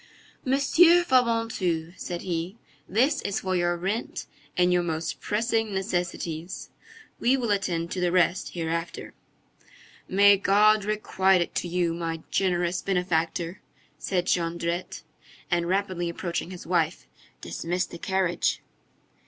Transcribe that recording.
"Monsieur Fabantou," said he, "this is for your rent and your most pressing necessities. We will attend to the rest hereafter." "May God requite it to you, my generous benefactor!" said Jondrette. And rapidly approaching his wife:— "Dismiss the carriage!"